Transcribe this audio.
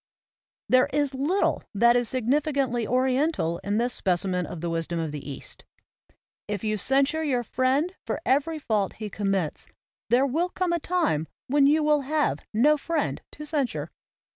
There is little that is significantly oriental in this specimen of the wisdom of the East: "If you censure your friend for every fault he com mits, there will come a tune when you will have no friend to censure."